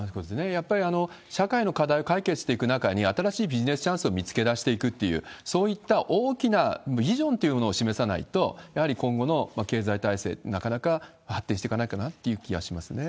やっぱり社会の課題を解決していく中に、新しいビジネスチャンスを見つけ出していくっていう、そういった大きなビジョンっていうものを示さないと、やはり今後の経済体制、なかなか発展してかないかなって気はしますね。